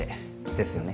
ですよね。